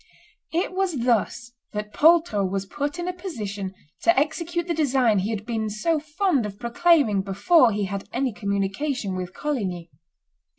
It was thus that Poltrot was put in a position to execute the design he had been so fond of proclaiming before he had any communication with Coligny.